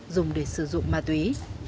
dùng để sử dụng ma túy